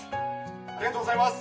「ありがとうございます」